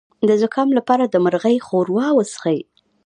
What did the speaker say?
د زکام لپاره د مرغۍ ښوروا وڅښئ